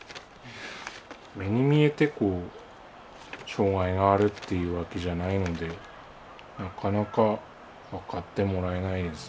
目に見えて障害があるっていうわけじゃないのでなかなか分かってもらえないです。